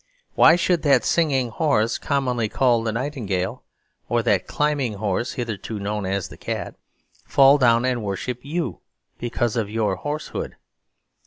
Why should that singing horse commonly called the nightingale, or that climbing horse hitherto known as the cat, fall down and worship you because of your horsehood?